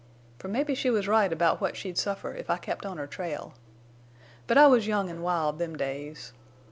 For mebbe she was right about what she'd suffer if I kept on her trail. But I was young an' wild them days.